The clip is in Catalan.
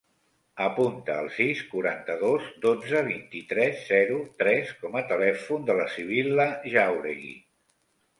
Apunta el sis, quaranta-dos, dotze, vint-i-tres, zero, tres com a telèfon de la Sibil·la Jauregui.